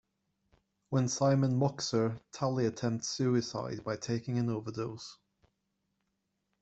When Simon mocks her, Tally attempts suicide by taking an overdose.